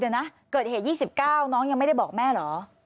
เดี๋ยวนะเกิดเหตุ๒๙น้องยังไม่ได้บอกแม่เหรอ